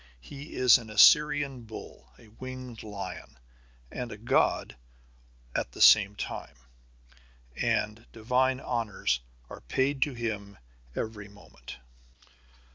He is an Assyrian bull, a winged lion, and a god at the same time, and divine honors are paid to him every moment.